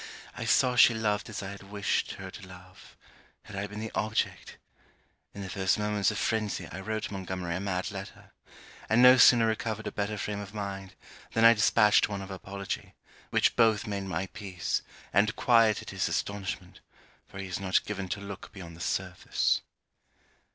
I saw she loved as I had wished her to love: had I been the object! In the first moments of phrenzy, I wrote Montgomery a mad letter; and no sooner recovered a better frame of mind, than I dispatched one of apology, which both made my peace, and quieted his astonishment, for he is not given to look beyond the surface.